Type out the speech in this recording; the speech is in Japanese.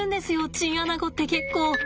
チンアナゴって結構。